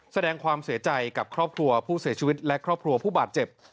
แสดงความเสียใจกับครอบครัวผู้เสียชีวิตและครอบครัวผู้บาดเจ็บ